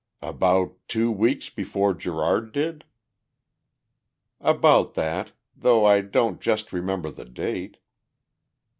"About two weeks before Gerard did?" "About that though I don't just remember the date."